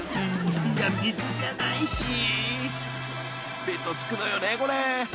［水じゃないしべとつくのよねこれ］